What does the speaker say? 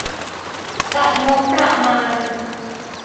จัดงบประมาณ